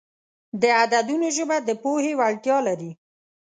د عددونو ژبه د پوهې وړتیا لري.